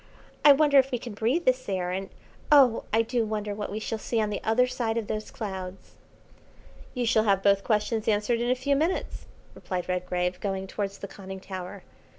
I wonder if we can breathe this air, and oh I do wonder what we shall see on the other side of those clouds." "You shall have both questions answered in a few minutes," replied Redgrave, going towards the conning tower.